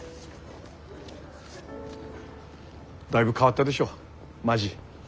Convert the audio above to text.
だいぶ変わったでしょ町。